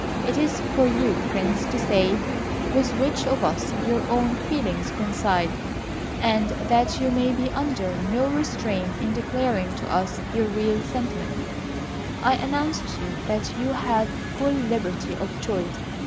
It is for you, Prince, to say with which of us your own feelings coincide; and that you may be under no restraint in declaring to us your real sentiments, I announce to you that you have full liberty of choice.